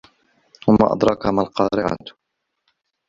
وَما أَدراكَ مَا القارِعَةُ